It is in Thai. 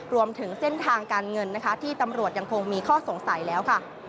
รวมถึงเส้นทางการเงินนะคะที่ตำรวจยังคงมีข้อสงสัยแล้วค่ะ